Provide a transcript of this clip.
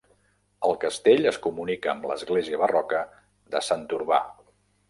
El castell es comunica amb l'església barroca de Sant Urbà.